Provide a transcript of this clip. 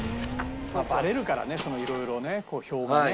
ばれるからねいろいろねこう票がね。